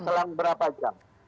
selang berapa jam